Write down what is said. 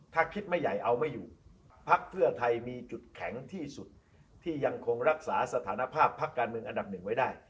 ถ้าคิดไม่ใหญ่เอาไม่อยู่พักเพื่อไทยมีจุดแข็งที่สุดที่ยังคงรักษาสถานภาพพักการเมืองอันดับหนึ่งไว้ได้